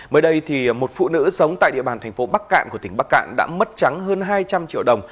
mới đây một phụ nữ sống tại địa bàn thành phố bắc cạn của tỉnh bắc cạn đã mất trắng hơn hai trăm linh triệu đồng